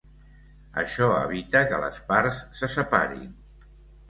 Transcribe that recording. Això evita que les parts se separin.